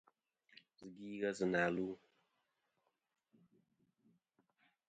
Zɨ gvi ghesi na lu.